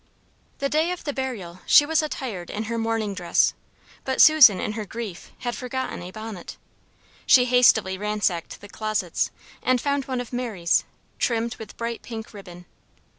The day of the burial she was attired in her mourning dress; but Susan, in her grief, had forgotten a bonnet. She hastily ransacked the closets, and found one of Mary's, trimmed with bright pink ribbon.